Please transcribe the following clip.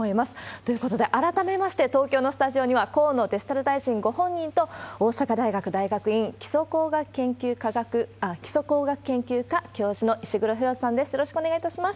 ということで、改めまして、東京のスタジオには、河野デジタル大臣ご本人と、大阪大学大学院基礎工学研究科教授の石黒浩さんです。